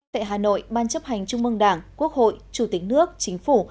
tại hà nội ban chấp hành trung mương đảng quốc hội chủ tịch nước chính phủ